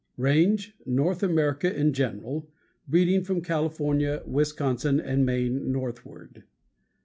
_ RANGE North America in general, breeding from California, Wisconsin, and Maine, northward.